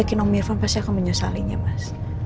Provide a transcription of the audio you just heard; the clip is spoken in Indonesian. bikin om irfan pasti akan menyesalinya mas